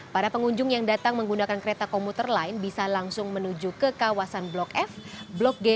para pengunjung yang datang menggunakan kereta komuter lain bisa langsung menuju ke kawasan blok f blok g